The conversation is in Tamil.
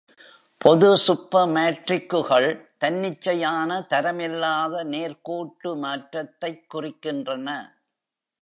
பொது சூப்பர்மாட்ரிக்குகள் தன்னிச்சையான , தரமில்லாத நேர்கோட்டு மாற்றத்தைக் குறிக்கின்றன.